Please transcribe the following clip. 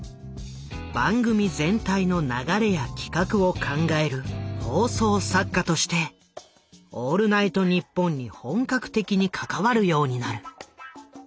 番組全体の流れや企画を考える放送作家として「オールナイトニッポン」に本格的に関わるようになる。